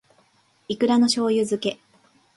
いくらの醬油漬け